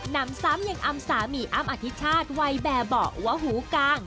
นำซ้ำยังอำสามีอ้ำอธิชาติวัยแบบเบาะว่าหูกลาง